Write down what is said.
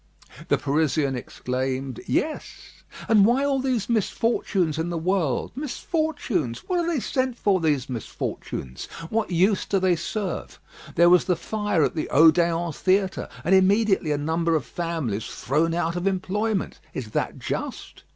The Parisian exclaimed: "Yes; and why all these misfortunes in the world? Misfortunes! What are they sent for, these misfortunes? What use do they serve? There was the fire at the Odéon theatre, and immediately a number of families thrown out of employment. Is that just?